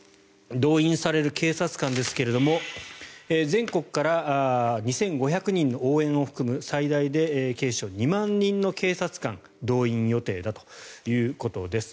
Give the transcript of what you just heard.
動員される警察官ですが全国から２５００人の応援を含む最大で警視庁２万人の警察官を動員予定だということです。